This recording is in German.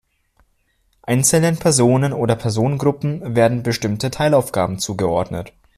Einzelnen Personen oder Personengruppen werden bestimmte Teilaufgaben zugeordnet.